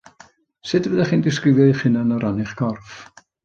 Sut fyddech chi'n disgrifio eich hunan o ran eich corff?